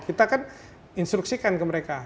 kita kan instruksikan ke mereka